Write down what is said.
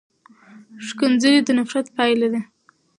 ښکنځلې د نفرت پایله ده.